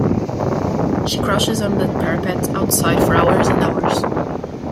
She crouches on the parapet outside for hours and hours.